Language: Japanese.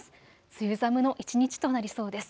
梅雨寒の一日となりそうです。